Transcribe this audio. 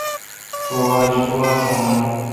تو آج گوا تھون۔